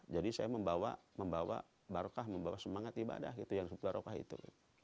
jadi saya membawa barokah membawa semangat ibadah gitu yang sebuah barokah itu